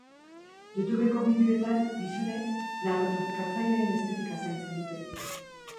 Youtubeko bideoetan gizonek narkotrafikatzaileen estetika zaintzen dute.